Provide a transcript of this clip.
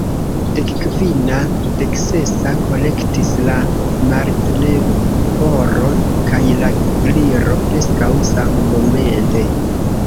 "Dekkvina," "Deksesa," korektis la Martleporo kaj la Gliro, preskaŭ sammomente.